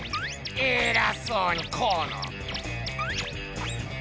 えらそうにこの！